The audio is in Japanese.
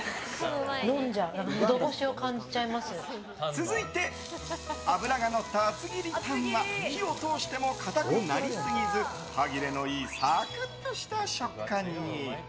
続いて脂がのった厚切りタンは火を通しても硬くなりすぎず歯切れのいいサクッとした食感に。